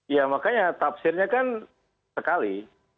ya makanya tafsirnya kan sekali